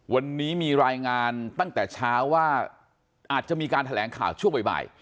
วันนี้มีรายงานตั้งแต่เช้าว่าอาจจะมีการแถลงข่าวช่วงบ่าย